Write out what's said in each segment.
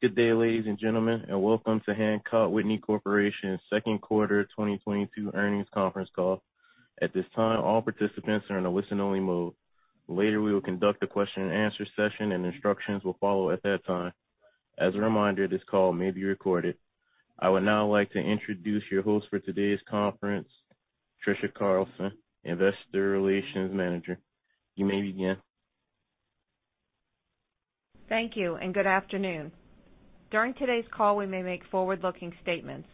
Good day, ladies and gentlemen, and welcome to Hancock Whitney Corporation's second quarter 2022 earnings conference call. At this time, all participants are in a listen only mode. Later, we will conduct a question-and-answer session, and instructions will follow at that time. As a reminder, this call may be recorded. I would now like to introduce your host for today's conference, Trisha Carlson, Investor Relations Manager. You may begin. Thank you and good afternoon. During today's call, we may make forward-looking statements.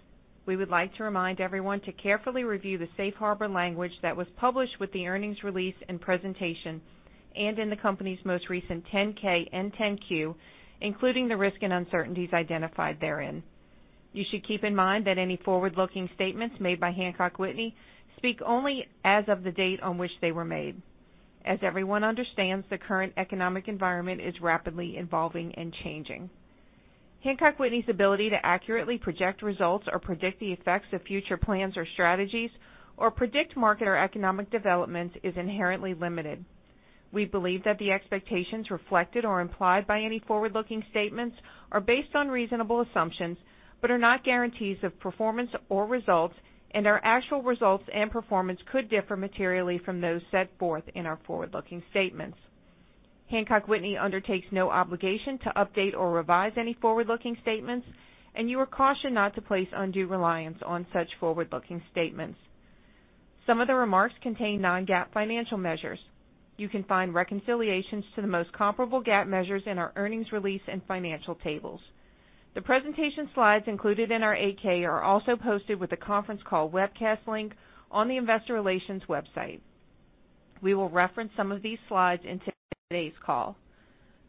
We would like to remind everyone to carefully review the safe harbor language that was published with the earnings release and presentation and in the company's most recent 10-K and 10-Q, including the risk and uncertainties identified therein. You should keep in mind that any forward-looking statements made by Hancock Whitney speak only as of the date on which they were made. As everyone understands, the current economic environment is rapidly evolving and changing. Hancock Whitney's ability to accurately project results or predict the effects of future plans or strategies or predict market or economic developments is inherently limited. We believe that the expectations reflected or implied by any forward-looking statements are based on reasonable assumptions, but are not guarantees of performance or results, and our actual results and performance could differ materially from those set forth in our forward-looking statements. Hancock Whitney undertakes no obligation to update or revise any forward-looking statements, and you are cautioned not to place undue reliance on such forward-looking statements. Some of the remarks contain non-GAAP financial measures. You can find reconciliations to the most comparable GAAP measures in our earnings release and financial tables. The presentation slides included in our 8-K are also posted with the conference call webcast link on the investor relations website. We will reference some of these slides in today's call.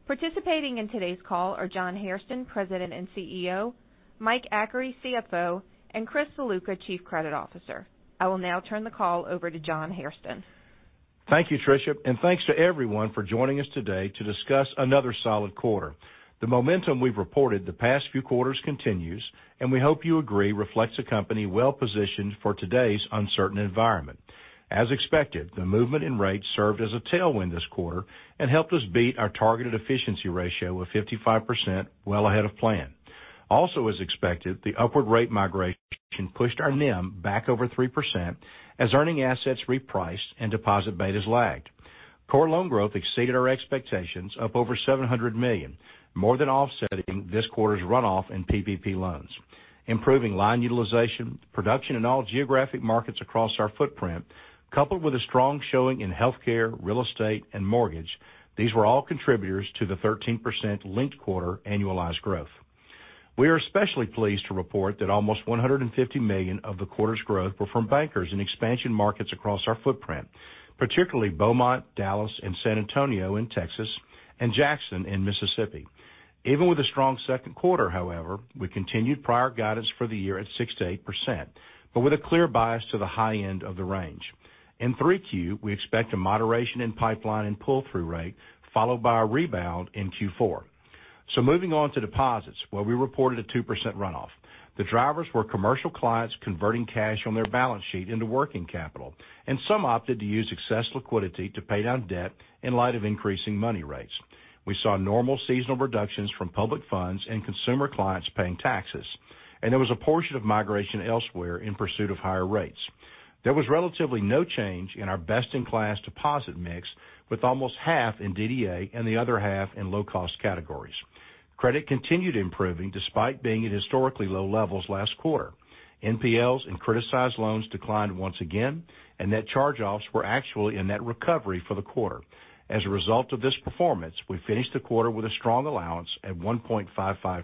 Participating in today's call are John Hairston, President and CEO, Mike Achary, CFO, and Chris Ziluca, Chief Credit Officer. I will now turn the call over to John Hairston. Thank you, Tricia, and thanks to everyone for joining us today to discuss another solid quarter. The momentum we've reported the past few quarters continues, and we hope you agree reflects a company well positioned for today's uncertain environment. As expected, the movement in rates served as a tailwind this quarter and helped us beat our targeted efficiency ratio of 55% well ahead of plan. Also as expected, the upward rate migration pushed our NIM back over 3% as earning assets repriced and deposit betas lagged. Core loan growth exceeded our expectations, up over $700 million, more than offsetting this quarter's runoff in PPP loans. Improving line utilization, production in all geographic markets across our footprint, coupled with a strong showing in healthcare, real estate, and mortgage, these were all contributors to the 13% linked quarter annualized growth. We are especially pleased to report that almost $150 million of the quarter's growth were from bankers in expansion markets across our footprint, particularly Beaumont, Dallas, and San Antonio in Texas and Jackson in Mississippi. Even with a strong second quarter, however, we continued prior guidance for the year at 6%-8%, but with a clear bias to the high end of the range. In Q3, we expect a moderation in pipeline and pull-through rate, followed by a rebound in Q4. Moving on to deposits, where we reported a 2% runoff. The drivers were commercial clients converting cash on their balance sheet into working capital, and some opted to use excess liquidity to pay down debt in light of increasing money rates. We saw normal seasonal reductions from public funds and consumer clients paying taxes, and there was a portion of migration elsewhere in pursuit of higher rates. There was relatively no change in our best-in-class deposit mix, with almost half in DDA and the other half in low cost categories. Credit continued improving despite being at historically low levels last quarter. NPLs and criticized loans declined once again, and net charge-offs were actually a net recovery for the quarter. As a result of this performance, we finished the quarter with a strong allowance at 1.55%.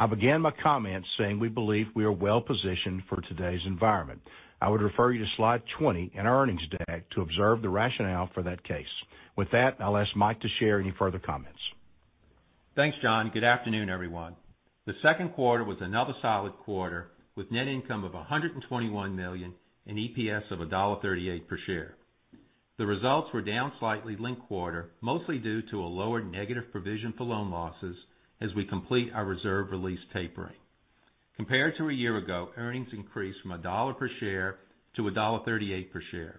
I began my comments saying we believe we are well positioned for today's environment. I would refer you to slide 20 in our earnings deck to observe the rationale for that case. With that, I'll ask Mike to share any further comments. Thanks, John. Good afternoon, everyone. The second quarter was another solid quarter with net income of $121 million and EPS of $1.38 per share. The results were down slightly linked quarter, mostly due to a lower negative provision for loan losses as we complete our reserve release tapering. Compared to a year ago, earnings increased from $1 per share to $1.38 per share.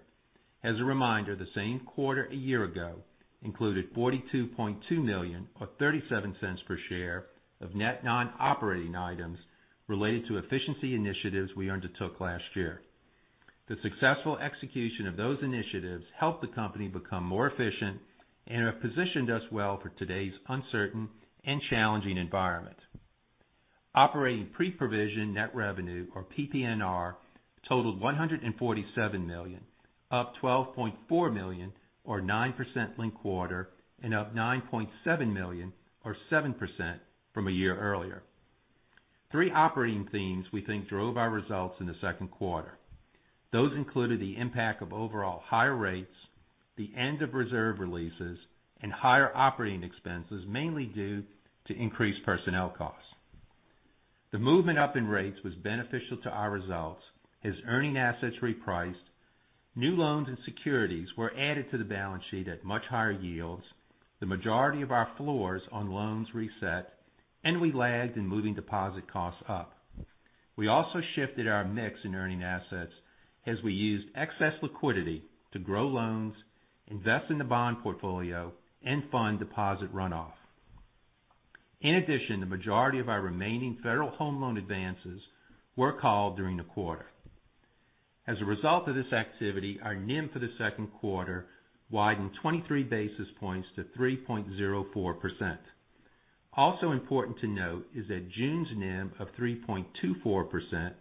As a reminder, the same quarter a year ago included $42.2 million or $0.37 per share of net non-operating items related to efficiency initiatives we undertook last year. The successful execution of those initiatives helped the company become more efficient and have positioned us well for today's uncertain and challenging environment. Operating pre-provision net revenue, or PPNR, totaled $147 million, up $12.4 million or 9% linked-quarter and up $9.7 million or 7% year-earlier. Three operating themes we think drove our results in the second quarter. Those included the impact of overall higher rates, the end of reserve releases, and higher operating expenses, mainly due to increased personnel costs. The movement up in rates was beneficial to our results as earning assets repriced, new loans and securities were added to the balance sheet at much higher yields, the majority of our floors on loans reset, and we lagged in moving deposit costs up. We also shifted our mix in earning assets as we used excess liquidity to grow loans, invest in the bond portfolio and fund deposit runoff. In addition, the majority of our remaining federal home loan advances were called during the quarter. As a result of this activity, our NIM for the second quarter widened 23 basis points to 3.04%. Also important to note is that June's NIM of 3.24%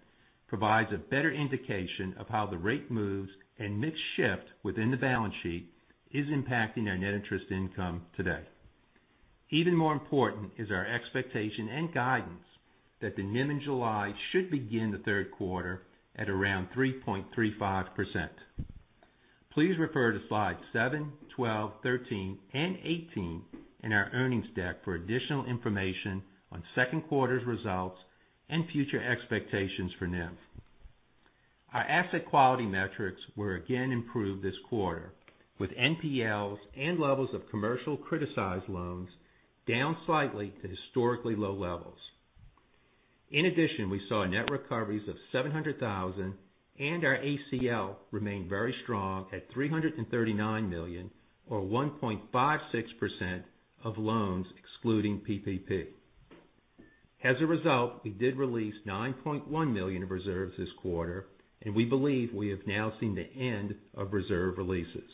provides a better indication of how the rate moves and mix shift within the balance sheet is impacting our net interest income today. Even more important is our expectation and guidance that the NIM in July should begin the third quarter at around 3.35%. Please refer to Slides 7, 12, 13, and 18 in our earnings deck for additional information on second quarter's results and future expectations for NIM. Our asset quality metrics were again improved this quarter, with NPLs and levels of commercial criticized loans down slightly to historically low levels. In addition, we saw net recoveries of $700,000 and our ACL remained very strong at $339 million or 1.56% of loans excluding PPP. As a result, we did release $9.1 million of reserves this quarter, and we believe we have now seen the end of reserve releases.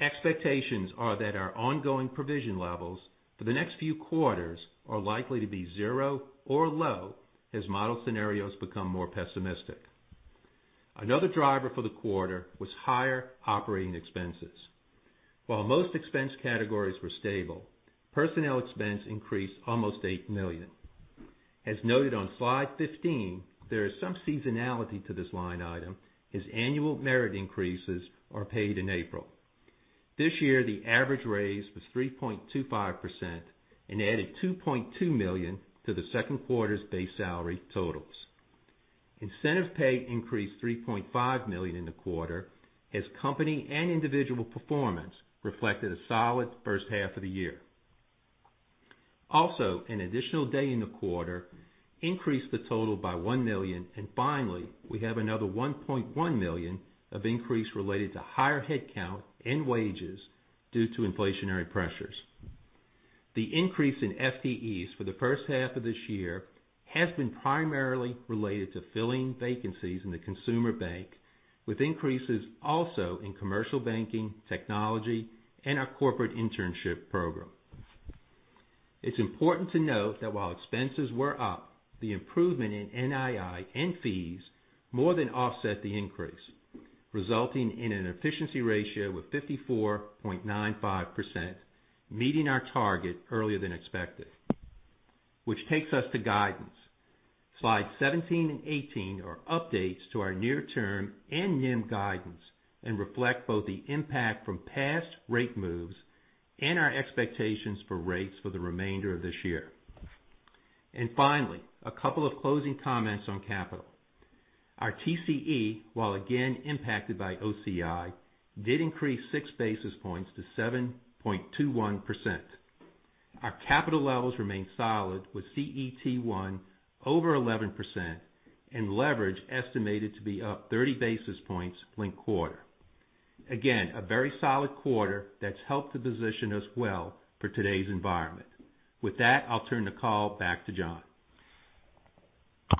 Expectations are that our ongoing provision levels for the next few quarters are likely to be zero or low as model scenarios become more pessimistic. Another driver for the quarter was higher operating expenses. While most expense categories were stable, personnel expense increased almost $8 million. As noted on Slide 15, there is some seasonality to this line item as annual merit increases are paid in April. This year, the average raise was 3.25% and added $2.2 million to the second quarter's base salary totals. Incentive pay increased $3.5 million in the quarter as company and individual performance reflected a solid first half of the year. Also, an additional day in the quarter increased the total by $1 million. Finally, we have another $1.1 million of increase related to higher headcount and wages due to inflationary pressures. The increase in FTEs for the first half of this year has been primarily related to filling vacancies in the consumer bank, with increases also in commercial banking, technology, and our corporate internship program. It's important to note that while expenses were up, the improvement in NII and fees more than offset the increase, resulting in an efficiency ratio of 54.95%, meeting our target earlier than expected. Which takes us to guidance. Slide 17 and 18 are updates to our near-term and NIM guidance and reflect both the impact from past rate moves and our expectations for rates for the remainder of this year. Finally, a couple of closing comments on capital. Our TCE, while again impacted by OCI, did increase 6 basis points to 7.21%. Our capital levels remain solid, with CET1 over 11% and leverage estimated to be up 30 basis points linked quarter. A very solid quarter that's helped to position us well for today's environment. With that, I'll turn the call back to John.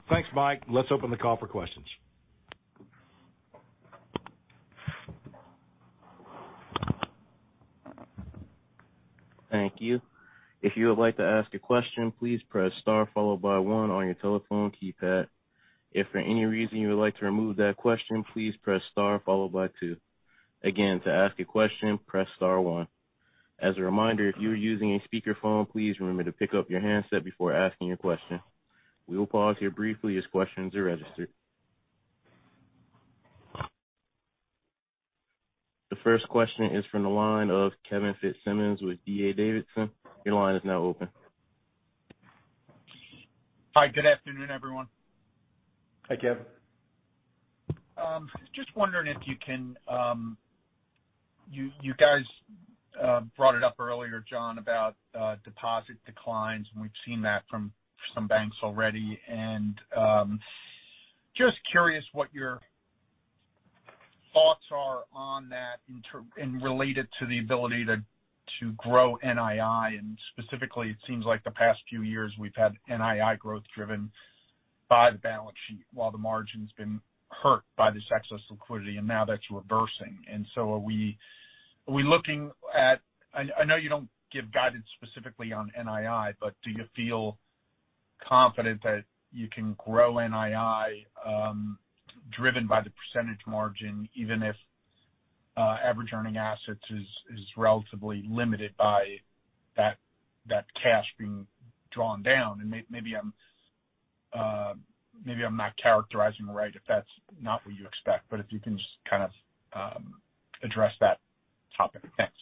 Thanks, Mike. Let's open the call for questions. Thank you. If you would like to ask a question, please press star followed by one on your telephone keypad. If for any reason you would like to remove that question, please press star followed by two. Again, to ask a question, press star one. As a reminder, if you are using a speakerphone, please remember to pick up your handset before asking your question. We will pause here briefly as questions are registered. The first question is from the line of Kevin Fitzsimmons with D.A. Davidson. Your line is now open. Hi, good afternoon, everyone. Hi, Kevin. You guys brought it up earlier, John, about deposit declines, and we've seen that from some banks already. Just curious what your thoughts are on that, and relate it to the ability to grow NII. Specifically, it seems like the past few years we've had NII growth driven by the balance sheet while the margin's been hurt by this excess liquidity, and now that's reversing. Are we looking at? I know you don't give guidance specifically on NII, but do you feel confident that you can grow NII driven by the percentage margin, even if average earning assets is relatively limited by that cash being drawn down? Maybe I'm not characterizing it right if that's not what you expect. If you can just kind of address that topic. Thanks.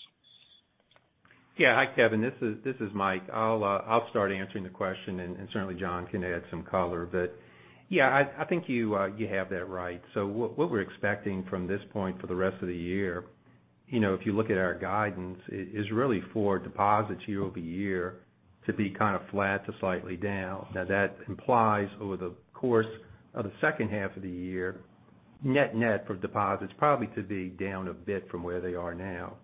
Yeah. Hi, Kevin. This is Mike. I'll start answering the question and certainly John can add some color. Yeah, I think you have that right. What we're expecting from this point for the rest of the year. You know, if you look at our guidance, is really for deposits year-over-year to be kind of flat to slightly down. Now, that implies over the course of the second half of the year, net-net for deposits probably to be down a bit from where they are now.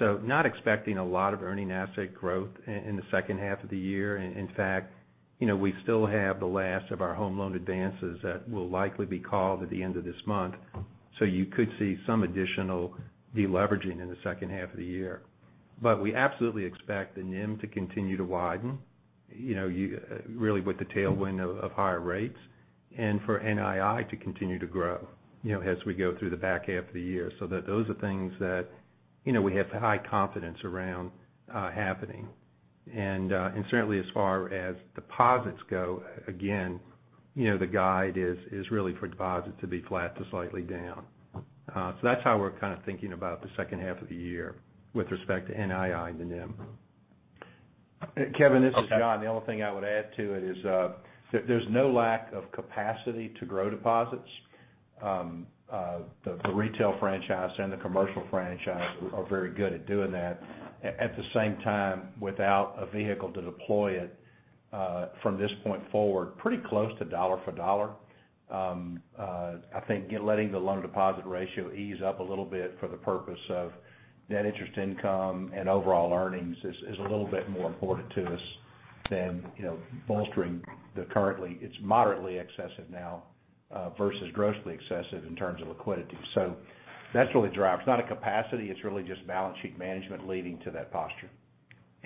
Not expecting a lot of earning asset growth in the second half of the year. In fact, you know, we still have the last of our home loan advances that will likely be called at the end of this month, so you could see some additional deleveraging in the second half of the year. We absolutely expect the NIM to continue to widen, you know, really with the tailwind of higher rates and for NII to continue to grow, you know, as we go through the back half of the year. Those are things that, you know, we have high confidence around happening. Certainly as far as deposits go, again, you know, the guide is really for deposits to be flat to slightly down. That's how we're kind of thinking about the second half of the year with respect to NII and the NIM. Kevin, this is John. The only thing I would add to it is, there's no lack of capacity to grow deposits. The retail franchise and the commercial franchise are very good at doing that. At the same time, without a vehicle to deploy it, from this point forward, pretty close to dollar for dollar, I think letting the loan deposit ratio ease up a little bit for the purpose of net interest income and overall earnings is a little bit more important to us than, you know, bolstering the currently. It's moderately excessive now, versus grossly excessive in terms of liquidity. That's what really drives. It's not a capacity, it's really just balance sheet management leading to that posture.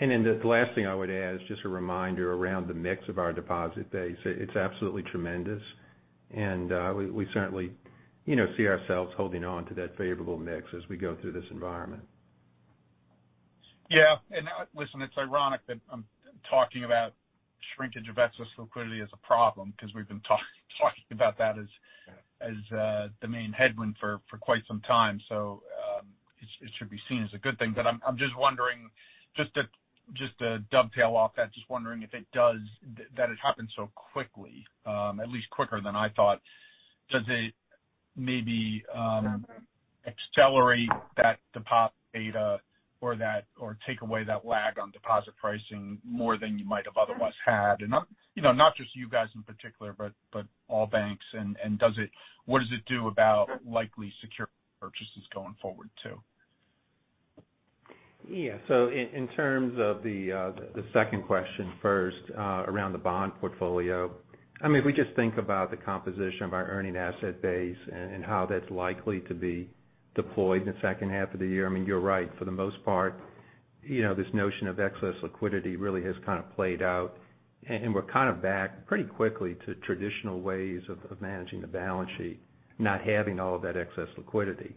The last thing I would add is just a reminder around the mix of our deposit base. It's absolutely tremendous, and we certainly, you know, see ourselves holding on to that favorable mix as we go through this environment. Yeah. Listen, it's ironic that I'm talking about shrinkage of excess liquidity as a problem because we've been talking about that as the main headwind for quite some time. It should be seen as a good thing. I'm just wondering, just to dovetail off that, wondering if it does that it happened so quickly, at least quicker than I thought. Does it maybe accelerate that deposit beta or take away that lag on deposit pricing more than you might have otherwise had? Not, you know, just you guys in particular, but all banks. Does it what does it do about likely securities purchases going forward, too? Yeah. In terms of the second question first, around the bond portfolio. I mean, if we just think about the composition of our earning asset base and how that's likely to be deployed in the second half of the year, I mean, you're right. For the most part, you know, this notion of excess liquidity really has kind of played out and we're kind of back pretty quickly to traditional ways of managing the balance sheet, not having all of that excess liquidity.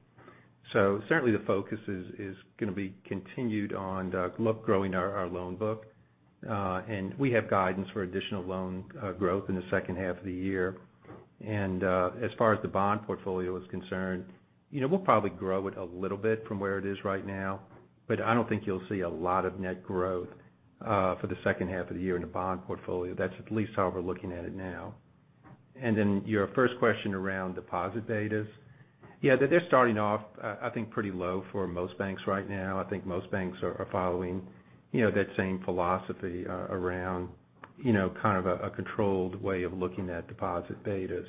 Certainly, the focus is gonna be continued on look, growing our loan book. And we have guidance for additional loan growth in the second half of the year. As far as the bond portfolio is concerned, you know, we'll probably grow it a little bit from where it is right now, but I don't think you'll see a lot of net growth for the second half of the year in the bond portfolio. That's at least how we're looking at it now. Your first question around deposit betas. Yeah, they're just starting off, I think pretty low for most banks right now. I think most banks are following, you know, that same philosophy around, you know, kind of a controlled way of looking at deposit betas.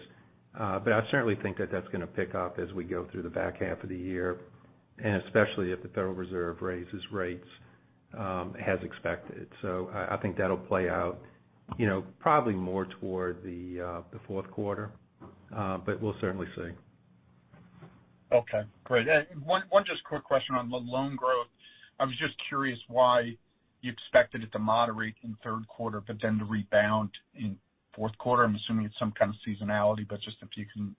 But I certainly think that that's gonna pick up as we go through the back half of the year, and especially if the Federal Reserve raises rates as expected. I think that'll play out, you know, probably more toward the fourth quarter, but we'll certainly see. Okay, great. One just quick question on the loan growth. I was just curious why you expected it to moderate in third quarter but then to rebound in fourth quarter. I'm assuming it's some kind of seasonality, but just if you can,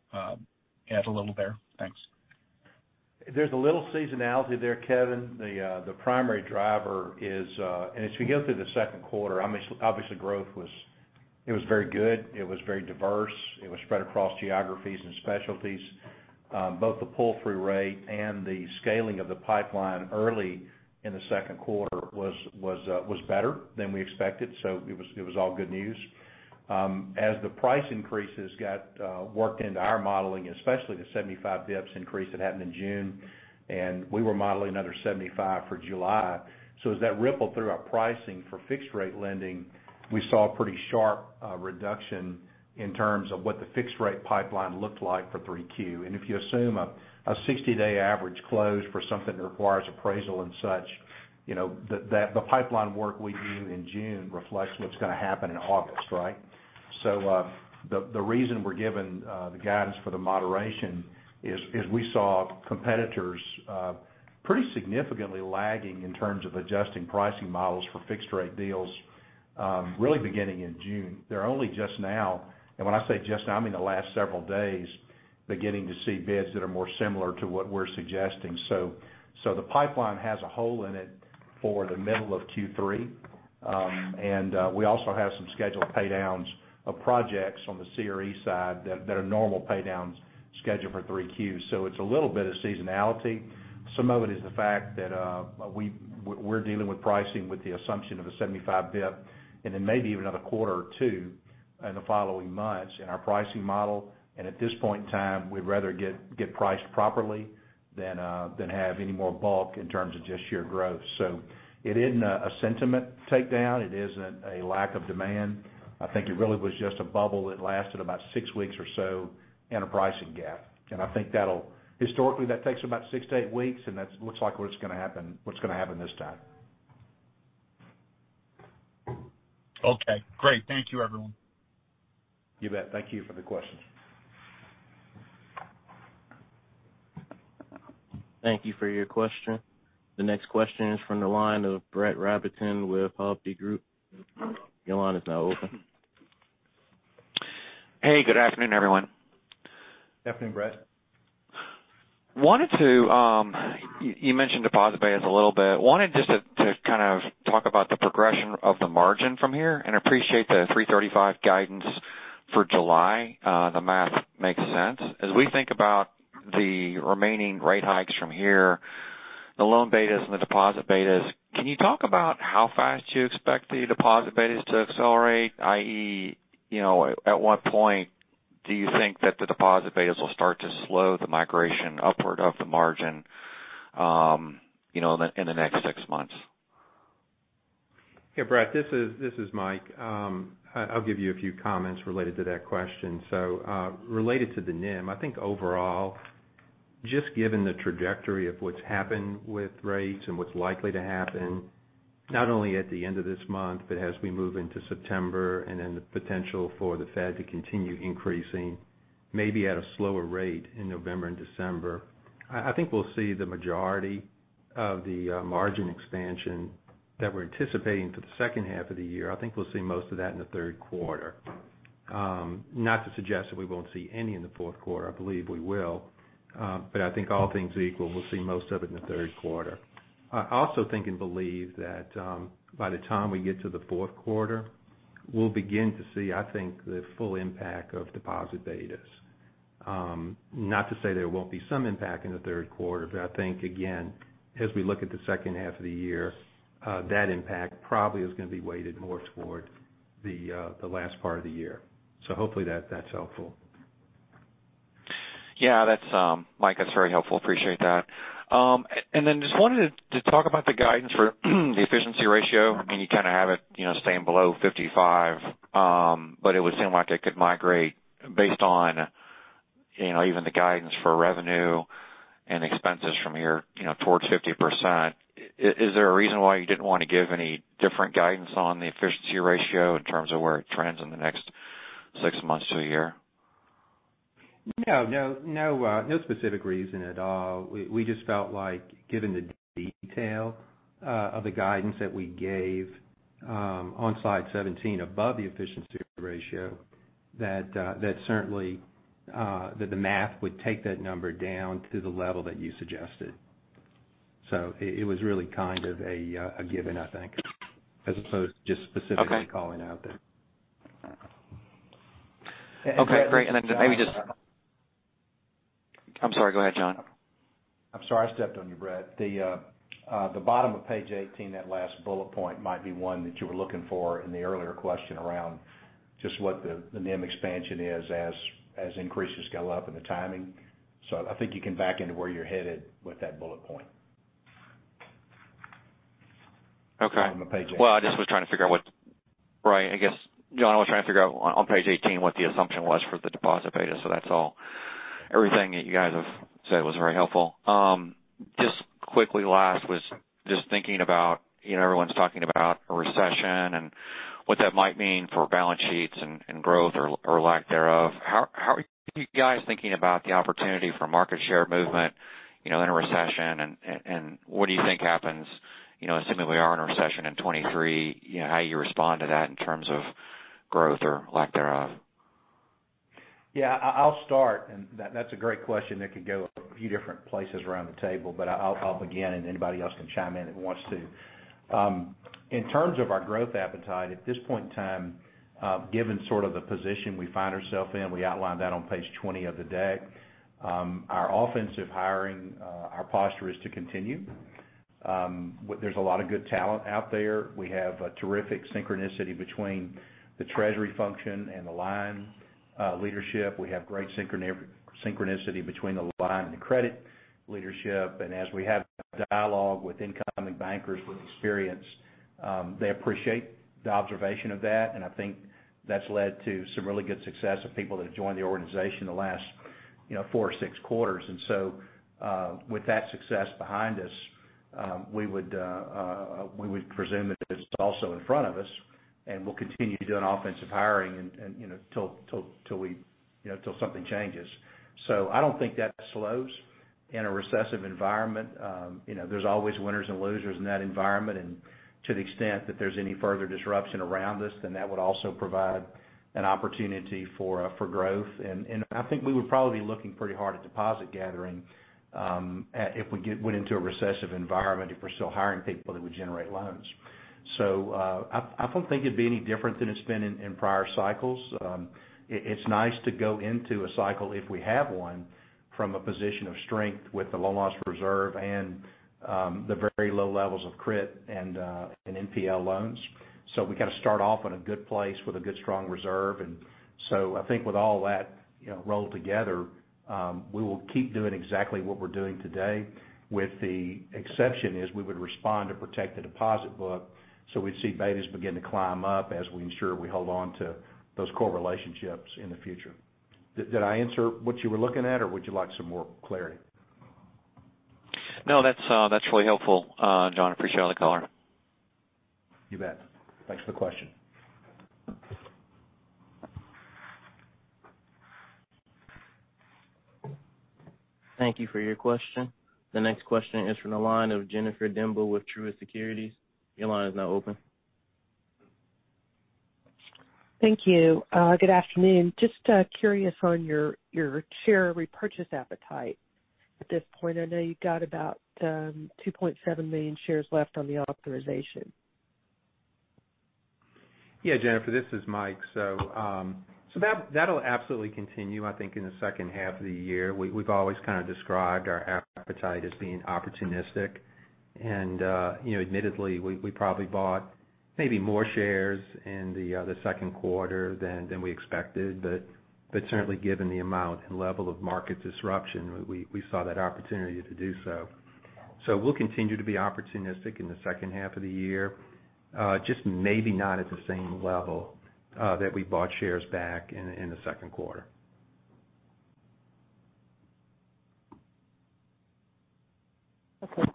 add a little there. Thanks. There's a little seasonality there, Kevin. The primary driver is. As we go through the second quarter, obviously, growth was very good. It was very diverse. It was spread across geographies and specialties. Both the pull-through rate and the scaling of the pipeline early in the second quarter was better than we expected, so it was all good news. As the price increases got worked into our modeling, especially the 75 basis points increase that happened in June, and we were modeling another 75 for July. As that rippled through our pricing for fixed rate lending, we saw a pretty sharp reduction in terms of what the fixed rate pipeline looked like for 3Q. If you assume a 60-day average close for something that requires appraisal and such, you know, the pipeline work we do in June reflects what's gonna happen in August, right? The reason we're giving the guidance for the moderation is we saw competitors pretty significantly lagging in terms of adjusting pricing models for fixed rate deals really beginning in June. They're only just now, and when I say just now, I mean the last several days. Beginning to see bids that are more similar to what we're suggesting. The pipeline has a hole in it for the middle of Q3. We also have some scheduled pay downs of projects on the CRE side that are normal pay downs scheduled for Q3. It's a little bit of seasonality. Some of it is the fact that we're dealing with pricing with the assumption of a 75 bp, and then maybe even another quarter or two in the following months in our pricing model. At this point in time, we'd rather get priced properly than have any more bulk in terms of just sheer growth. It isn't a sentiment takedown. It isn't a lack of demand. I think it really was just a bubble that lasted about six weeks or so in a pricing gap. I think that'll historically that takes about six to eight weeks, and that looks like what's gonna happen this time. Okay, great. Thank you, everyone. You bet. Thank you for the question. Thank you for your question. The next question is from the line of Brett Rabatin with Hovde Group. Your line is now open. Hey, good afternoon, everyone. Afternoon, Brett. Wanted to. You mentioned deposit betas a little bit. Wanted just to kind of talk about the progression of the margin from here and appreciate the 3.35% guidance for July. The math makes sense. As we think about the remaining rate hikes from here, the loan betas and the deposit betas, can you talk about how fast you expect the deposit betas to accelerate, i.e., you know, at what point do you think that the deposit betas will start to slow the migration upward of the margin, you know, in the next six months? Yeah, Brett, this is Mike. I'll give you a few comments related to that question. Related to the NIM, I think overall, just given the trajectory of what's happened with rates and what's likely to happen, not only at the end of this month, but as we move into September, and then the potential for the Fed to continue increasing, maybe at a slower rate in November and December, I think we'll see the majority of the margin expansion that we're anticipating for the second half of the year. I think we'll see most of that in the third quarter. Not to suggest that we won't see any in the fourth quarter. I believe we will. I think all things equal, we'll see most of it in the third quarter. I also think and believe that, by the time we get to the fourth quarter, we'll begin to see, I think, the full impact of deposit betas. Not to say there won't be some impact in the third quarter, but I think, again, as we look at the second half of the year, that impact probably is gonna be weighted more toward the last part of the year. Hopefully that's helpful. Yeah, that's Mike, that's very helpful. Appreciate that. Just wanted to talk about the guidance for the efficiency ratio. I mean, you kinda have it, you know, staying below 55%, but it would seem like it could migrate based on, you know, even the guidance for revenue and expenses from here, you know, towards 50%. Is there a reason why you didn't wanna give any different guidance on the efficiency ratio in terms of where it trends in the next six months to a year? No, no specific reason at all. We just felt like given the detail of the guidance that we gave on slide 17 above the efficiency ratio, that certainly the math would take that number down to the level that you suggested. It was really kind of a given, I think, as opposed to just specifically. Okay. calling out that. Okay, great. Brett, this I'm sorry, go ahead, John. I'm sorry I stepped on you, Brett. The bottom of page 18, that last bullet point might be one that you were looking for in the earlier question around just what the NIM expansion is as increases go up and the timing. I think you can back into where you're headed with that bullet point. Okay. On the page 18. Well, I guess, John, I was trying to figure out on page 18 what the assumption was for the deposit betas, so that's all. Everything that you guys have said was very helpful. Just quickly, I was just thinking about, you know, everyone's talking about a recession and what that might mean for balance sheets and growth or lack thereof. How are you guys thinking about the opportunity for market share movement, you know, in a recession? What do you think happens, you know, assuming we are in a recession in 2023, you know, how you respond to that in terms of growth or lack thereof? I'll start, that's a great question that could go a few different places around the table, but I'll begin, and anybody else can chime in who wants to. In terms of our growth appetite, at this point in time, given sort of the position we find ourself in, we outlined that on page 20 of the deck, our offensive hiring, our posture is to continue. There's a lot of good talent out there. We have a terrific synchronicity between the treasury function and the line, leadership. We have great synchronicity between the line and the credit leadership. As we have dialogue with incoming bankers with experience, they appreciate the observation of that, and I think that's led to some really good success of people that have joined the organization the last, you know, four or six quarters. With that success behind us, we would presume that it is also in front of us, and we'll continue doing offensive hiring and, you know, till something changes. I don't think that slows. In a recessive environment, you know, there's always winners and losers in that environment. To the extent that there's any further disruption around us, then that would also provide an opportunity for growth. I think we would probably be looking pretty hard at deposit gathering if we went into a recessionary environment, if we're still hiring people that would generate loans. I don't think it'd be any different than it's been in prior cycles. It's nice to go into a cycle if we have one from a position of strength with the loan loss reserve and the very low levels of crit and NPL loans. We kind of start off in a good place with a good, strong reserve. I think with all that, you know, rolled together, we will keep doing exactly what we're doing today, with the exception is we would respond to protect the deposit book, so we'd see betas begin to climb up as we ensure we hold on to those core relationships in the future. Did I answer what you were looking at, or would you like some more clarity? No, that's really helpful, John. Appreciate the color. You bet. Thanks for the question. Thank you for your question. The next question is from the line of Jennifer Demba with Truist Securities. Your line is now open. Thank you. Good afternoon. Just curious on your share repurchase appetite at this point. I know you've got about 2.7 million shares left on the authorization. Yeah, Jennifer, this is Mike. That'll absolutely continue, I think, in the second half of the year. We've always kind of described our appetite as being opportunistic. You know, admittedly, we probably bought maybe more shares in the second quarter than we expected. Certainly given the amount and level of market disruption, we saw that opportunity to do so. We'll continue to be opportunistic in the second half of the year, just maybe not at the same level that we bought shares back in the second quarter. Okay,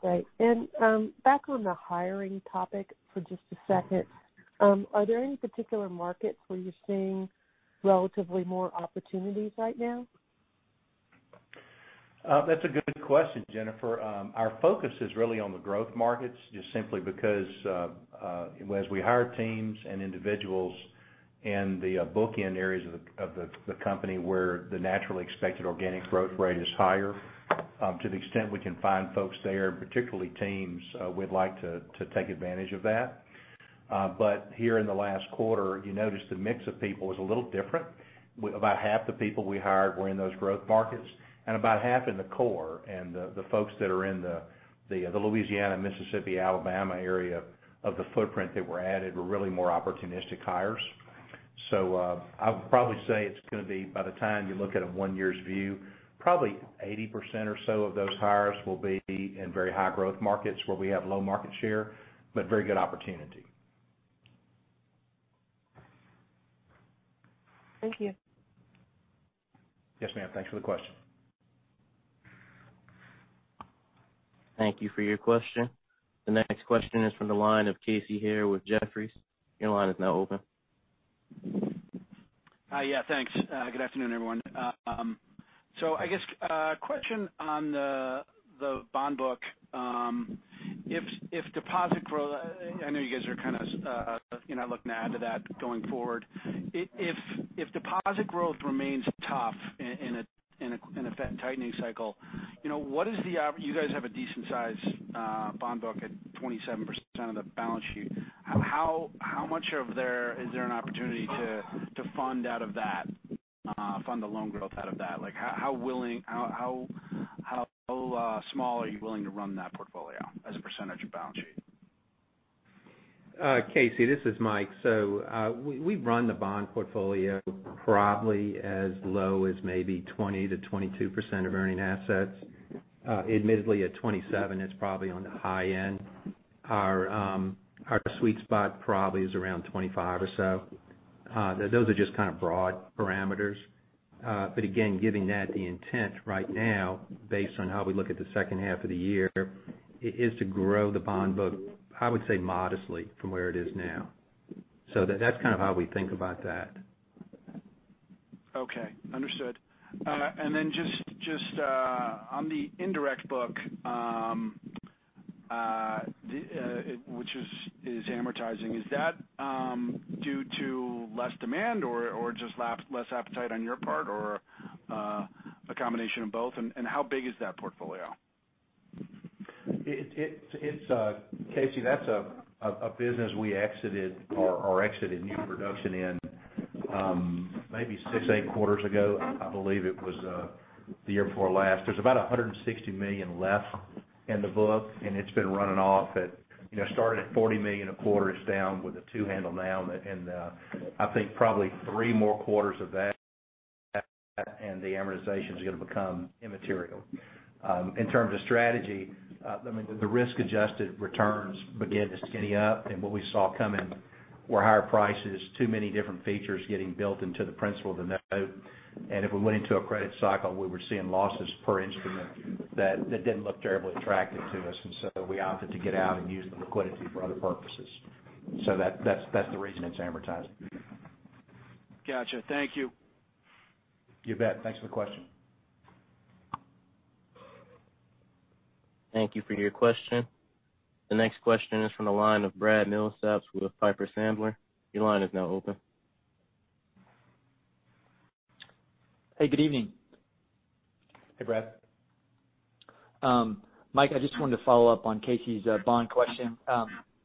great. Back on the hiring topic for just a second. Are there any particular markets where you're seeing relatively more opportunities right now? That's a good question, Jennifer. Our focus is really on the growth markets, just simply because, as we hire teams and individuals in the bookend areas of the company where the naturally expected organic growth rate is higher, to the extent we can find folks there, particularly teams, we'd like to take advantage of that. Here in the last quarter, you notice the mix of people was a little different. About half the people we hired were in those growth markets and about half in the core. The folks that are in the Louisiana, Mississippi, Alabama area of the footprint that were added were really more opportunistic hires. I would probably say it's gonna be, by the time you look at a one year's view, probably 80% or so of those hires will be in very high growth markets where we have low market share, but very good opportunity. Thank you. Yes, ma'am. Thanks for the question. Thank you for your question. The next question is from the line of Casey Haire with Jefferies. Your line is now open. Yeah, thanks. Good afternoon, everyone. So I guess question on the bond book, if deposit growth—I know you guys are kind of, you know, looking to add to that going forward. If deposit growth remains tough in a Fed-tightening cycle, you know, what is the opportunity. You guys have a decent size bond book at 27% of the balance sheet. How much is there an opportunity to fund out of that, fund the loan growth out of that? Like, how small are you willing to run that portfolio as a percentage of balance sheet? Casey, this is Mike. We run the bond portfolio probably as low as maybe 20%-22% of earning assets. Admittedly, at 27%, it's probably on the high end. Our sweet spot probably is around 25% or so. Those are just kind of broad parameters. Again, giving that the intent right now based on how we look at the second half of the year, is to grow the bond book, I would say modestly from where it is now. That's kind of how we think about that. Okay, understood. Just on the indirect book, which is amortizing, is that due to less demand or just less appetite on your part or a combination of both? How big is that portfolio? It's Casey, that's a business we exited or exited new production in maybe six to eight quarters ago. I believe it was the year before last. There's about $160 million left in the book, and it's been running off at, you know, starting at $40 million a quarter. It's down with a two handle now. I think probably three more quarters of that, and the amortization is gonna become immaterial. In terms of strategy, I mean, the risk-adjusted returns begin to skinny up. What we saw coming were higher prices, too many different features getting built into the principal of the note. If we went into a credit cycle, we were seeing losses per instrument that didn't look terribly attractive to us. We opted to get out and use the liquidity for other purposes. That's the reason it's amortized. Gotcha. Thank you. You bet. Thanks for the question. Thank you for your question. The next question is from the line of Brad Milsaps with Piper Sandler. Your line is now open. Hey, good evening. Hey, Brad. Mike, I just wanted to follow up on Casey's bond question.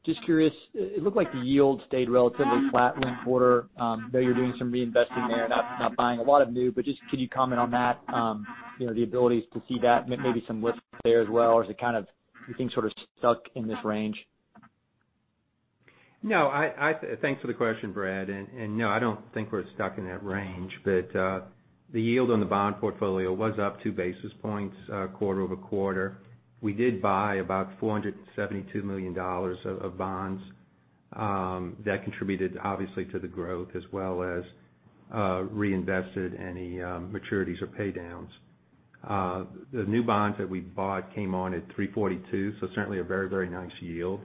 Just curious, it looked like the yield stayed relatively flat in quarter. I know you're doing some reinvesting there, not buying a lot of new, but just can you comment on that, you know, the ability to see that maybe some lift there as well? Or is it kind of do you think sort of stuck in this range? No. Thanks for the question, Brad. No, I don't think we're stuck in that range. The yield on the bond portfolio was up 2 basis points quarter-over-quarter. We did buy about $472 million of bonds that contributed obviously to the growth as well as reinvested any maturities or pay downs. The new bonds that we bought came on at 3.42, so certainly a very, very nice yield.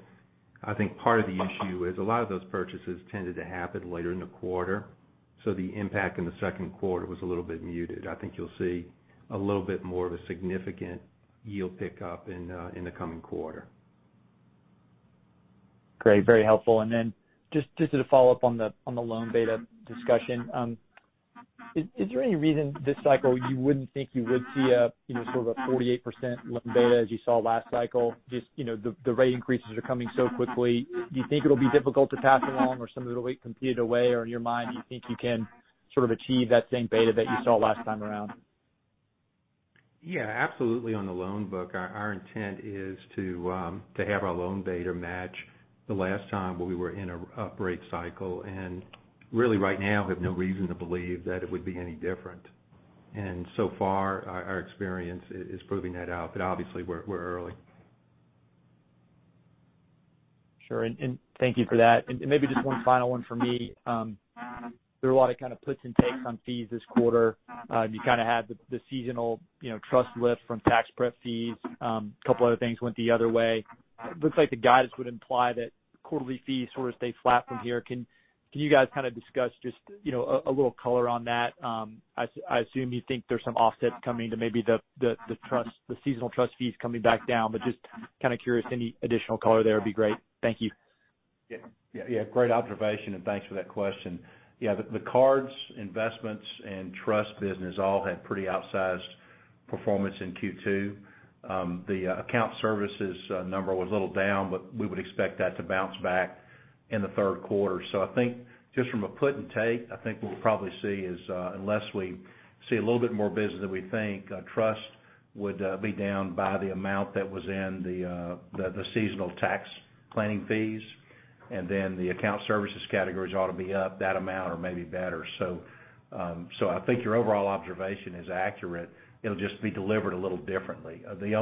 I think part of the issue is a lot of those purchases tended to happen later in the quarter, so the impact in the second quarter was a little bit muted. I think you'll see a little bit more of a significant yield pickup in the coming quarter. Great. Very helpful. Just as a follow-up on the loan beta discussion, is there any reason this cycle you wouldn't think you would see a, you know, sort of a 48% loan beta as you saw last cycle? Just, you know, the rate increases are coming so quickly. Do you think it'll be difficult to pass along or some of it'll get competed away? Or in your mind, do you think you can sort of achieve that same beta that you saw last time around? Yeah, absolutely. On the loan book, our intent is to have our loan beta match the last time when we were in a rate cycle. Really right now have no reason to believe that it would be any different. So far our experience is proving that out, but obviously we're early. Sure. Thank you for that. Maybe just one final one for me. There were a lot of kind of puts and takes on fees this quarter. You kind of had the seasonal, you know, trust lift from tax prep fees. A couple other things went the other way. It looks like the guidance would imply that quarterly fees sort of stay flat from here. Can you guys kind of discuss just, you know, a little color on that? I assume you think there's some offsets coming to maybe the trust, the seasonal trust fees coming back down. Just kind of curious, any additional color there would be great. Thank you. Great observation, and thanks for that question. Yeah, the cards, investments, and trust business all had pretty outsized performance in Q2. The account services number was a little down, but we would expect that to bounce back in the third quarter. I think just from a put and take, I think what we'll probably see is, unless we see a little bit more business than we think, trust would be down by the amount that was in the seasonal tax planning fees. And then the account services categories ought to be up that amount or maybe better. I think your overall observation is accurate. It'll just be delivered a little differently. The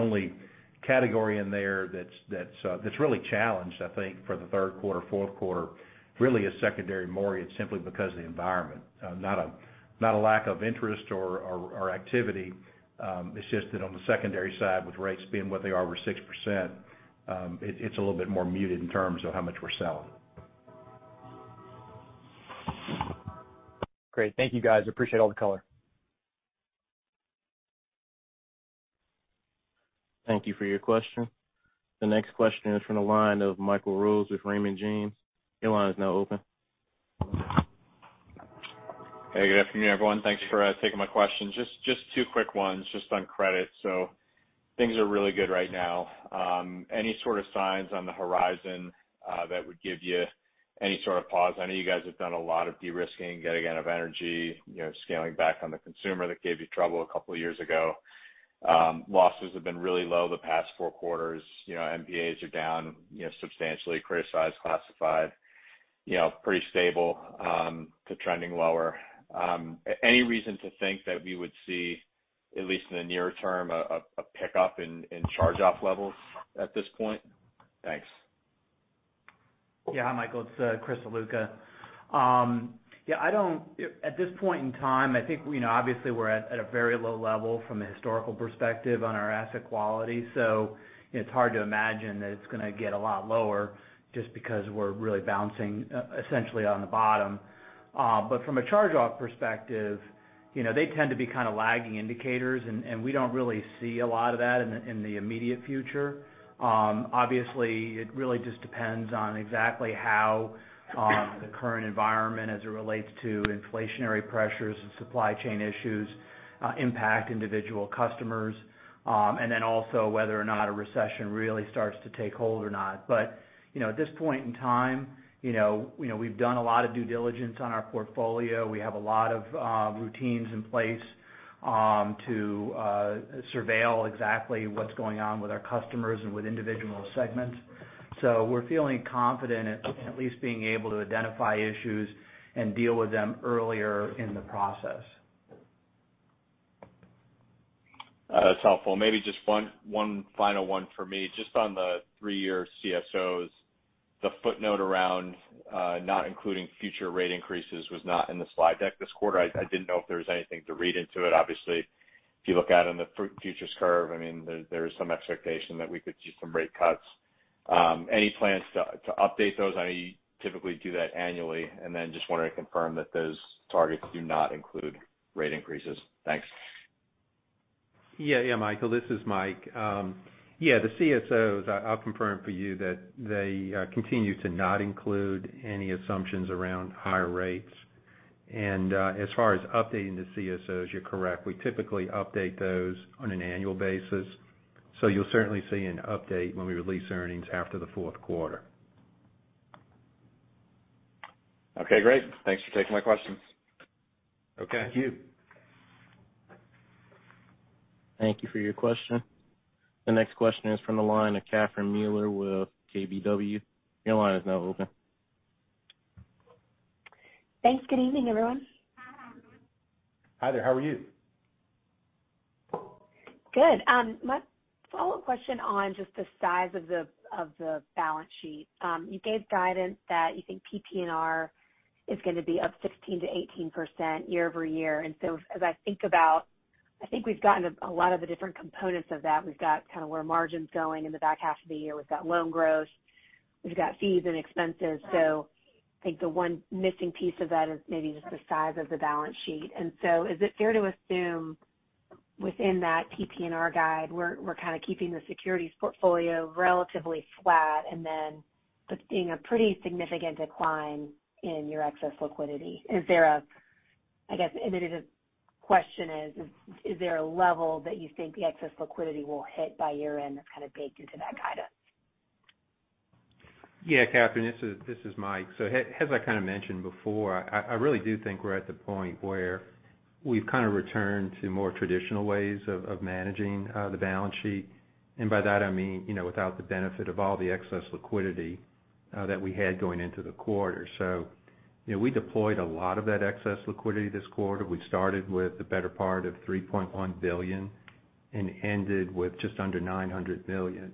only category in there that's really challenged, I think for the third quarter, fourth quarter really is secondary mortgage simply because of the environment. Not a lack of interest or activity. It's just that on the secondary side with rates being what they are over 6%, it's a little bit more muted in terms of how much we're selling. Great. Thank you guys. Appreciate all the color. Thank you for your question. The next question is from the line of Michael Rose with Raymond James. Your line is now open. Hey, good afternoon, everyone. Thanks for taking my questions. Just two quick ones, just on credit. Things are really good right now. Any sort of signs on the horizon that would give you any sort of pause? I know you guys have done a lot of de-risking, getting out of energy, you know, scaling back on the consumer that gave you trouble a couple of years ago. Losses have been really low the past four quarters. You know, NPAs are down, you know, substantially. Criticized classified, you know, pretty stable to trending lower. Any reason to think that we would see, at least in the near term, a pickup in charge-off levels at this point? Thanks. Yeah. Hi, Michael. It's Chris Ziluca. At this point in time, I think, you know, obviously we're at a very low level from a historical perspective on our asset quality. It's hard to imagine that it's gonna get a lot lower just because we're really bouncing essentially on the bottom. From a charge-off perspective, you know, they tend to be kind of lagging indicators and we don't really see a lot of that in the immediate future. Obviously it really just depends on exactly how the current environment as it relates to inflationary pressures and supply chain issues impact individual customers. Then also whether or not a recession really starts to take hold or not. You know, at this point in time, we've done a lot of due diligence on our portfolio. We have a lot of routines in place to surveil exactly what's going on with our customers and with individual segments. We're feeling confident at least being able to identify issues and deal with them earlier in the process. That's helpful. Maybe just one final one for me. Just on the three-year CSOs, the footnote around not including future rate increases was not in the slide deck this quarter. I didn't know if there was anything to read into it. Obviously, if you look out on the futures curve, I mean, there is some expectation that we could see some rate cuts. Any plans to update those? I know you typically do that annually. Then just wanted to confirm that those targets do not include rate increases. Thanks. Yeah. Yeah, Michael, this is Mike. Yeah, the CSOs, I'll confirm for you that they continue to not include any assumptions around higher rates. As far as updating the CSOs, you're correct. We typically update those on an annual basis. You'll certainly see an update when we release earnings after the fourth quarter. Okay, great. Thanks for taking my questions. Okay. Thank you. Thank you for your question. The next question is from the line of Catherine Mealor with KBW. Your line is now open. Thanks. Good evening, everyone. Hi there. How are you? Good. My follow-up question on just the size of the balance sheet. You gave guidance that you think PPNR is gonna be up 16%-18% year-over-year. As I think about, I think we've gotten a lot of the different components of that. We've got kind of where margin's going in the back half of the year. We've got loan growth. We've got fees and expenses. I think the one missing piece of that is maybe just the size of the balance sheet. Is it fair to assume within that PPNR guide, we're kind of keeping the securities portfolio relatively flat and then putting a pretty significant decline in your excess liquidity? Is there, I guess, and then the question is there a level that you think the excess liquidity will hit by year-end that's kind of baked into that guidance? Yeah, Catherine, this is Mike. As I kind of mentioned before, I really do think we're at the point where we've kind of returned to more traditional ways of managing the balance sheet. By that I mean, you know, without the benefit of all the excess liquidity that we had going into the quarter. You know, we deployed a lot of that excess liquidity this quarter. We started with the better part of $3.1 billion and ended with just under $900 million.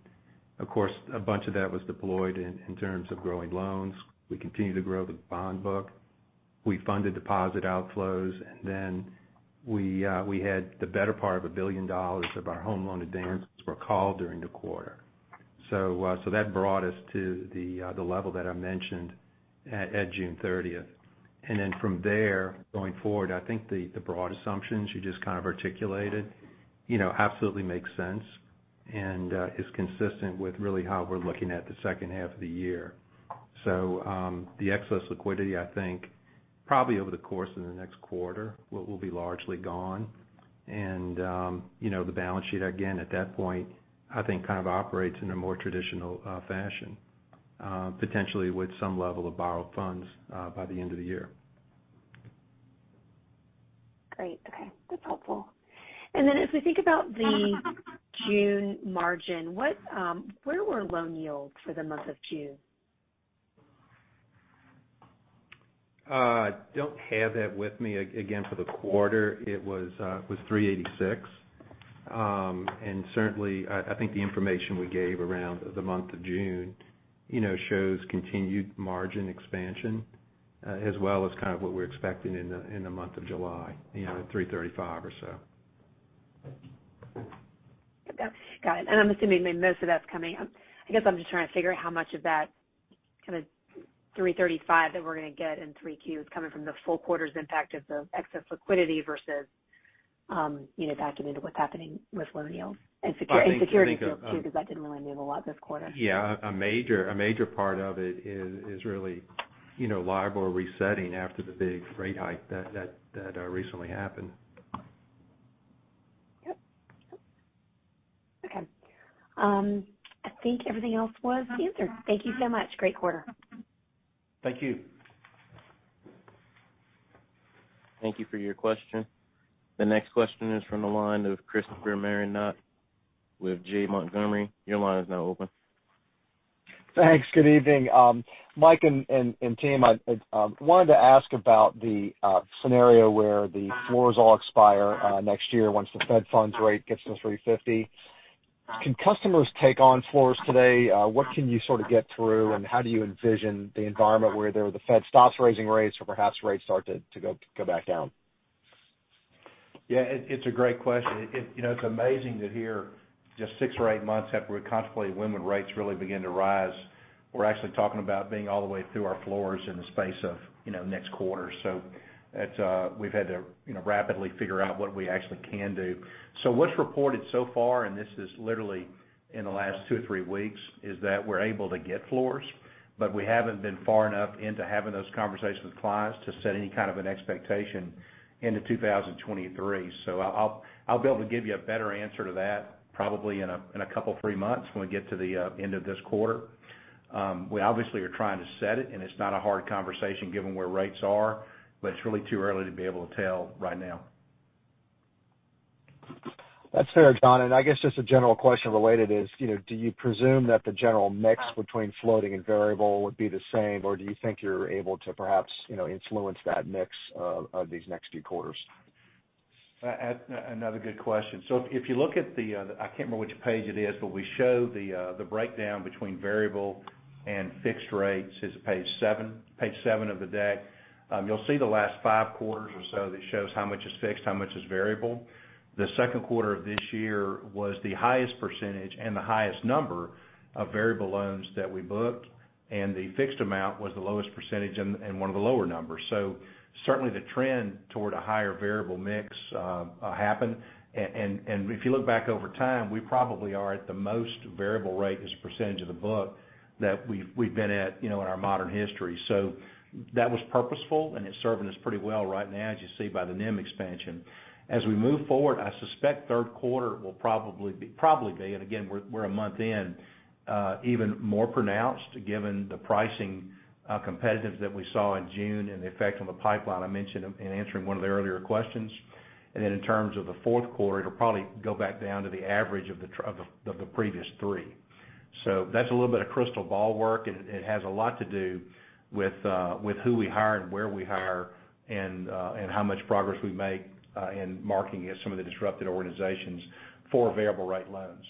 Of course, a bunch of that was deployed in terms of growing loans. We continue to grow the bond book. We funded deposit outflows, and then we had the better part of $1 billion of our home loan advances were called during the quarter. That brought us to the level that I mentioned at June 30. Then from there, going forward, I think the broad assumptions you just kind of articulated, you know, absolutely makes sense and is consistent with really how we're looking at the second half of the year. The excess liquidity, I think, probably over the course of the next quarter will be largely gone. You know, the balance sheet, again, at that point, I think kind of operates in a more traditional fashion, potentially with some level of borrowed funds by the end of the year. Great. Okay, that's helpful. As we think about the June margin, where were loan yields for the month of June? I don't have that with me. Again, for the quarter, it was 3.86%. Certainly, I think the information we gave around the month of June, you know, shows continued margin expansion, as well as kind of what we're expecting in the month of July, you know, at 3.35% or so. Okay, got it. I'm assuming maybe most of that's coming up. I guess I'm just trying to figure out how much of that kind of 3.35 that we're gonna get in 3Q is coming from the full quarter's impact of the excess liquidity versus, you know, factoring in what's happening with loan yields and securities, and securities yields too, because that didn't really move a lot this quarter. Yeah. A major part of it is really, you know, LIBOR resetting after the big rate hike that recently happened. Yep. Okay. I think everything else was answered. Thank you so much. Great quarter. Thank you. Thank you for your question. The next question is from the line of Christopher Marinac with Janney Montgomery. Your line is now open. Thanks. Good evening. Mike and team, I wanted to ask about the scenario where the floors all expire next year once the Fed funds rate gets to 3.50. Can customers take on floors today? What can you sort of get through, and how do you envision the environment where the Fed stops raising rates or perhaps rates start to go back down? Yeah, it's a great question. You know, it's amazing to hear just six or eight months after we contemplated when would rates really begin to rise, we're actually talking about being all the way through our floors in the space of, you know, next quarter. We've had to, you know, rapidly figure out what we actually can do. What's reported so far, and this is literally in the last two or three weeks, is that we're able to get floors, but we haven't been far enough into having those conversations with clients to set any kind of an expectation into 2023. I'll be able to give you a better answer to that probably in a couple, three months when we get to the end of this quarter. We obviously are trying to set it, and it's not a hard conversation given where rates are, but it's really too early to be able to tell right now. That's fair, John. I guess just a general question related is, you know, do you presume that the general mix between floating and variable would be the same, or do you think you're able to perhaps, you know, influence that mix these next few quarters? Another good question. If you look at the, I can't remember which page it is, but we show the breakdown between variable Fixed rates is Page seven of the deck. You'll see the last five quarters or so that shows how much is fixed, how much is variable. The second quarter of this year was the highest percentage and the highest number of variable loans that we booked, and the fixed amount was the lowest percentage and one of the lower numbers. Certainly, the trend toward a higher variable mix happened. And if you look back over time, we probably are at the most variable rate as a percentage of the book that we've been at, you know, in our modern history. That was purposeful, and it's serving us pretty well right now, as you see by the NIM expansion. As we move forward, I suspect third quarter will probably be, and again, we're a month in, even more pronounced given the pricing competitiveness that we saw in June and the effect on the pipeline I mentioned in answering one of the earlier questions. Then in terms of the fourth quarter, it'll probably go back down to the average of the previous three. That's a little bit of crystal ball work. It has a lot to do with who we hire and where we hire and how much progress we make in marketing at some of the disrupted organizations for variable rate loans.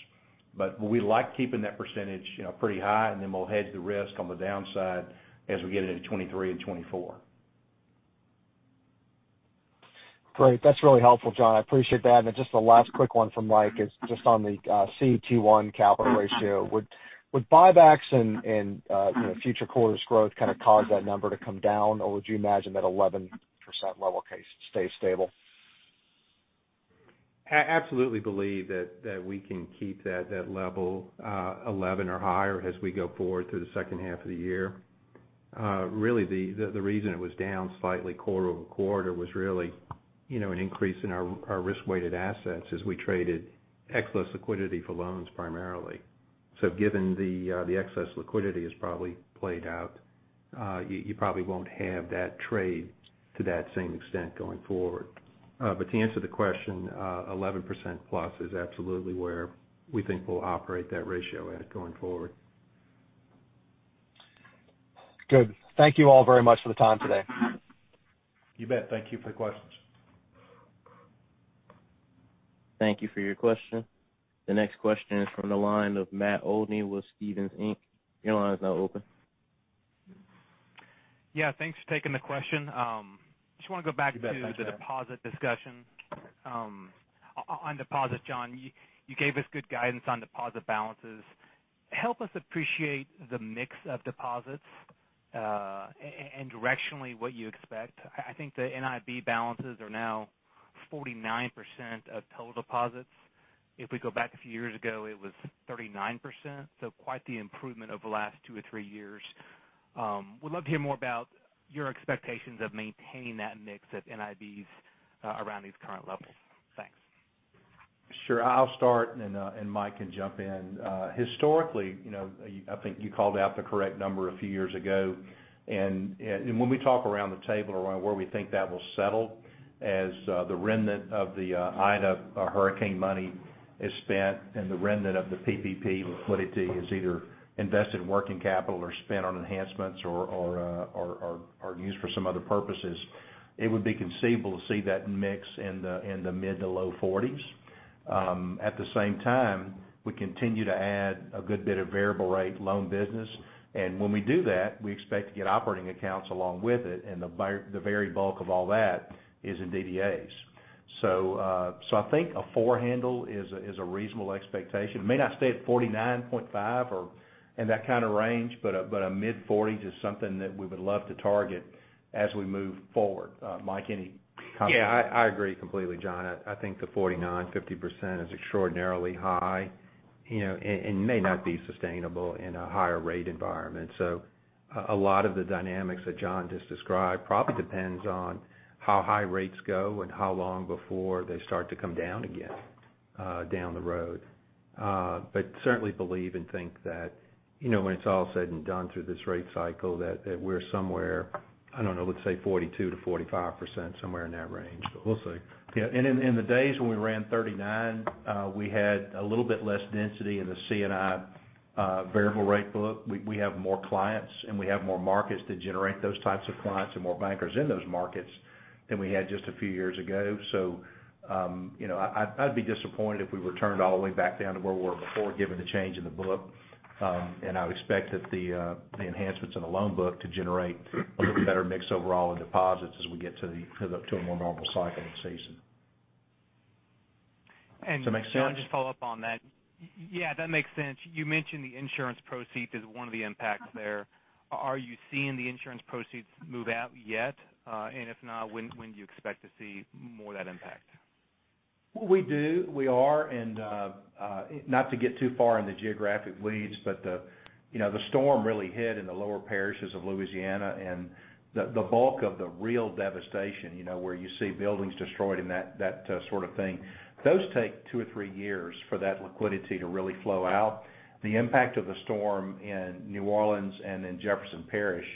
But we like keeping that percentage, you know, pretty high, and then we'll hedge the risk on the downside as we get into 2023 and 2024. Great. That's really helpful, John. I appreciate that. Just the last quick one from Mike is just on the CET1 capital ratio. Would buybacks and you know, future quarters growth kind of cause that number to come down? Or would you imagine that 11% level case stays stable? I absolutely believe that we can keep that level 11 or higher as we go forward through the second half of the year. Really, the reason it was down slightly quarter-over-quarter was really, you know, an increase in our risk-weighted assets as we traded excess liquidity for loans primarily. Given the excess liquidity is probably played out, you probably won't have that trade to that same extent going forward. To answer the question, 11% plus is absolutely where we think we'll operate that ratio at going forward. Good. Thank you all very much for the time today. You bet. Thank you for the questions. Thank you for your question. The next question is from the line of Matt Olney with Stephens Inc. Your line is now open. Yeah, thanks for taking the question. Just wanna go back- You bet. Thanks, Matt. -to the deposit discussion. On deposit, John, you gave us good guidance on deposit balances. Help us appreciate the mix of deposits, and directionally, what you expect. I think the NIB balances are now 49% of total deposits. If we go back a few years ago, it was 39%, so quite the improvement over the last two or three years. Would love to hear more about your expectations of maintaining that mix of NIBs, around these current levels. Thanks. Sure. I'll start and Mike can jump in. Historically, you know, I think you called out the correct number a few years ago. When we talk around the table around where we think that will settle as the remnant of the Ida hurricane money is spent and the remnant of the PPP liquidity is either invested in working capital or spent on enhancements or used for some other purposes, it would be conceivable to see that mix in the mid- to low 40s. At the same time, we continue to add a good bit of variable rate loan business, and when we do that, we expect to get operating accounts along with it, and the very bulk of all that is in DDAs. I think a 4 handle is a reasonable expectation. It may not stay at 49.5 or in that kinda range, but a mid-40s is something that we would love to target as we move forward. Mike, any comments? Yeah, I agree completely, John. I think the 49%-50% is extraordinarily high, you know, and may not be sustainable in a higher rate environment. A lot of the dynamics that John just described probably depends on how high rates go and how long before they start to come down again down the road. Certainly believe and think that, you know, when it's all said and done through this rate cycle that we're somewhere, I don't know, let's say 42%-45%, somewhere in that range, but we'll see. Yeah. In the days when we ran 39, we had a little bit less density in the C&I variable rate book. We have more clients, and we have more markets to generate those types of clients and more bankers in those markets than we had just a few years ago. You know, I'd be disappointed if we returned all the way back down to where we were before given the change in the book. I would expect that the enhancements in the loan book to generate a little better mix overall in deposits as we get to a more normal cycling season. And- Does that make sense? John, just follow up on that. Yeah, that makes sense. You mentioned the insurance proceeds is one of the impacts there. Are you seeing the insurance proceeds move out yet? If not, when do you expect to see more of that impact? We do. We are. Not to get too far into geographic leads, but, you know, the storm really hit in the lower parishes of Louisiana and the bulk of the real devastation, you know, where you see buildings destroyed and that sort of thing, those take two or three years for that liquidity to really flow out. The impact of the storm in New Orleans and in Jefferson Parish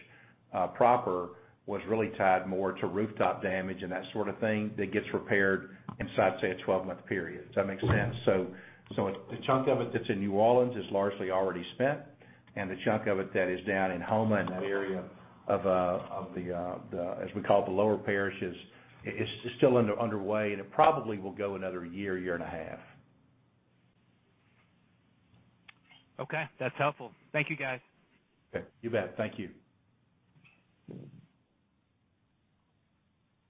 proper was really tied more to rooftop damage and that sort of thing that gets repaired inside, say, a 12-month period. Does that make sense? A chunk of it that's in New Orleans is largely already spent, and the chunk of it that is down in Houma and that area of the, as we call it, the lower parishes is still underway, and it probably will go another year and a half. Okay. That's helpful. Thank you, guys. Okay. You bet. Thank you.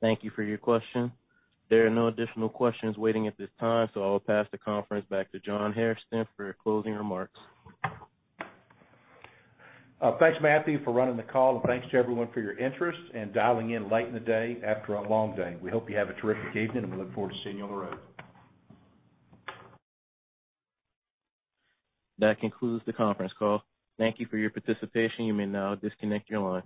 Thank you for your question. There are no additional questions waiting at this time, so I will pass the conference back to John Hairston for your closing remarks. Thanks, Matthew, for running the call and thanks to everyone for your interest and dialing in late in the day after a long day. We hope you have a terrific evening, and we look forward to seeing you on the road. That concludes the conference call. Thank you for your participation. You may now disconnect your lines.